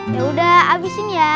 ya udah abisin ya